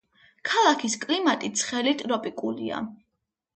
ქალაქის კლიმატი ცხელი ტროპიკულია.